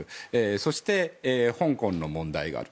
そして香港の問題がある。